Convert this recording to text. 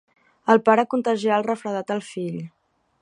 El pare contagià el refredat al fill.